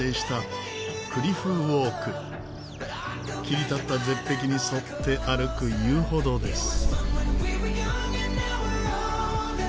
切り立った絶壁に沿って歩く遊歩道です。